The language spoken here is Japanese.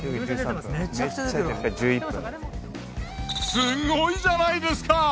すごいじゃないですか。